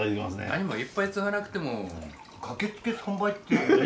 何もいっぱいつがなくても駆けつけ３杯っていうよね。